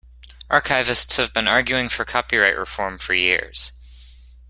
Archivists have been arguing for copyright reform for years.